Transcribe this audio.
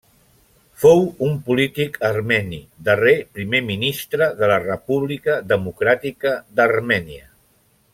Fou un polític armeni, darrer primer ministre de la República Democràtica d'Armènia.